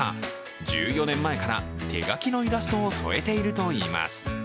１４年前から手描きのイラストを添えているといいます。